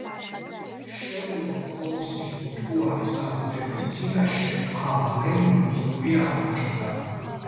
შერლოკ ჰოლმსის უტყუარი საბუთების წინაშე აბ ლენი უძლური აღმოჩნდა.